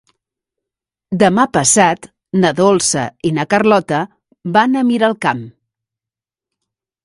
Demà passat na Dolça i na Carlota van a Miralcamp.